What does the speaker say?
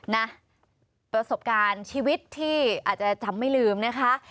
นะประสบการณ์ชีวิตที่อาจจะจำไม่ลืมนะคะ